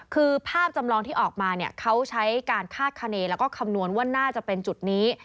คือภาพจำลองที่ออกมาเนี่ยเขาใช้การคาดคณีแล้วก็คำนวณว่าน่าจะเป็นจุดนี้